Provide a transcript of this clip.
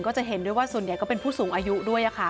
จะเห็นด้วยว่าส่วนใหญ่ก็เป็นผู้สูงอายุด้วยค่ะ